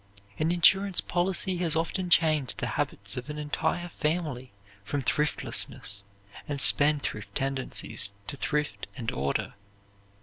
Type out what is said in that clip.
An insurance policy has often changed the habits of an entire family from thriftlessness and spendthrift tendencies to thrift and order.